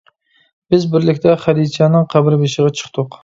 بىز بىرلىكتە خەدىچەنىڭ قەبرە بېشىغا چىقتۇق.